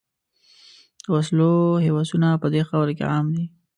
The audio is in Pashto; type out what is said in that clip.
د وسلو هوسونه په دې خاوره کې عام دي.